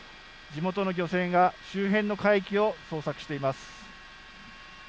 地元の漁船が周辺の海域を捜索しています。